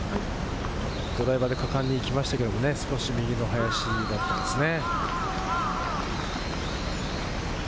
ドライバーで果敢に行きましたけれど、右の林だったですね。